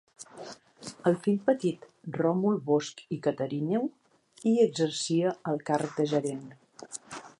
El fill petit, Ròmul Bosch i Catarineu hi exercia el càrrec de gerent.